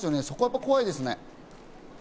そこが怖いですね。